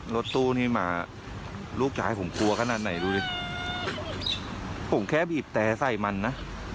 รถตู้นี้มาลูกจะให้ผมกลัวขนาดไหนรู้ดิผมแค่บีบแต่ใส่มันนะ